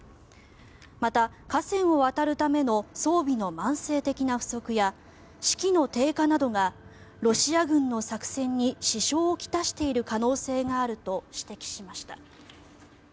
また、河川を渡るための装備の慢性的な不足や士気の低下などがロシア軍の作戦に支障を来している可能性があると指摘しました。